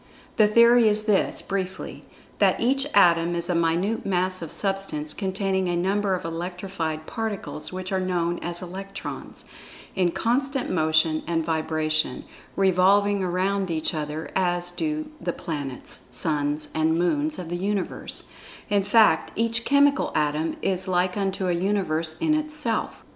The theory is this, briefly: That each Atom is a minute mass of Substance containing a number of "electrified particles," which are known as Electrons, in constant motion and vibration, re[Pg 72]volving around each other, as do the planets, suns, and moons of the Universe—in fact each chemical Atom is like unto a Universe in itself.